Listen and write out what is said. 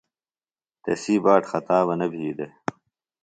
تسی باٹ خطا بہ نہ بھی دےۡ